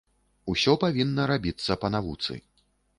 Усё павінна рабіцца па навуцы.